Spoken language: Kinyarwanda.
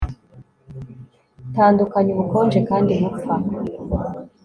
tandukanya ubukonje kandi bupfa